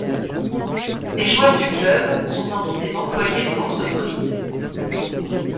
Les joueurs du club sont ainsi des employés de l'entreprise.